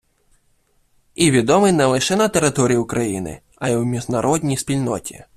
І відомий не лише на території України, а й у міжнародній спільноті.